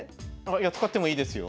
いや使ってもいいですよ。